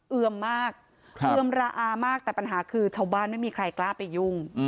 เอือมมากเอือมระอามากแต่ปัญหาคือชาวบ้านไม่มีใครกล้าไปยุ่ง